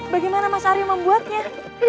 bagaimana mas arif membuatnya